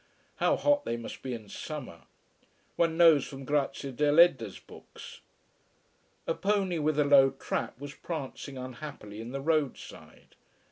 How hot they must be in summer! One knows from Grazia Deledda's books. A pony with a low trap was prancing unhappily in the road side.